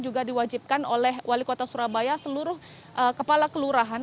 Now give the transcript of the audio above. juga diwajibkan oleh wali kota surabaya seluruh kepala kelurahan